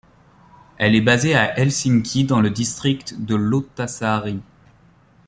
Elle est basée à Helsinki dans le district de Lauttasaari.